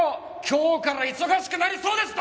今日から忙しくなりそうです。